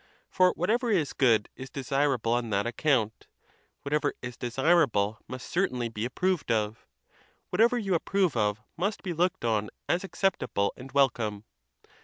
For what ever is good is desirable on that account; whatever is de 180 THE TUSCULAN DISPUTATIONS. sirable must certainly be approved of; whatever you ap prove of must be looked on as acceptable and welcome.